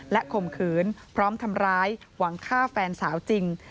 ข่มขืนพร้อมทำร้ายหวังฆ่าแฟนสาวจริง